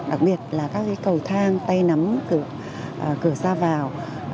đặc biệt là các cái cầu thang tay nắm cửa ra vào